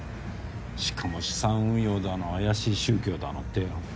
しかも資産運用だの怪しい宗教だのってよ。